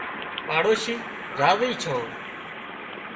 پاڙوشي راضي ڇان